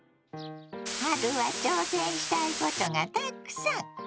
春は挑戦したいことがたくさん！